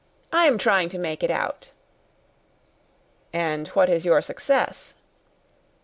"I am trying to make it out." "And what is your success?"